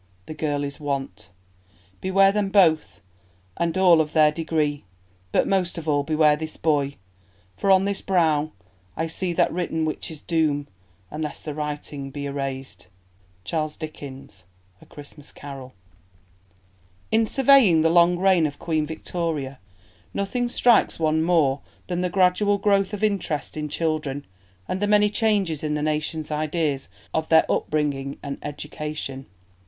This girl is Want. Beware them both, and all of their degree, but most of all beware this boy, for on his brow I see that written which is Doom, unless the writing be erased.'" [Footnote 8: Charles Dickens, A Christmas Carol.] In surveying the long reign of Queen Victoria nothing strikes one more than the gradual growth of interest in children, and the many changes in the nation's ideas of their upbringing and education.